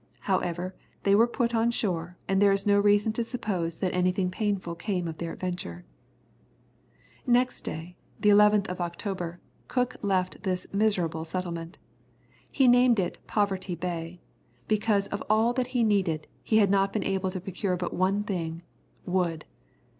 However, they were put on shore, and there is no reason to suppose that anything painful came of their adventure. Next day, the 11th of October, Cook left this miserable settlement. He named it Poverty Bay, because of all that he needed he had been able to procure but one thing wood.